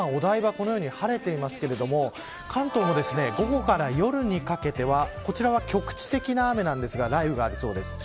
このように晴れていますが関東も午後から夜にかけてはこちらは局地的な雨なんですが雷雨がありそうです。